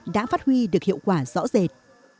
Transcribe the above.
đã phát huy được hiệu quả rõ rệt